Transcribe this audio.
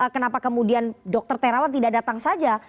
kenapa kemudian dokter terawan tidak datang saja